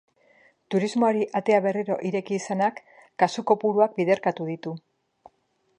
Turismoari atea berriro ireki izanak kasu kopuruak biderkatu ditu.